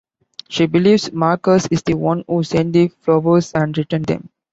She believes Marcus is the one who sent the flowers and returns them.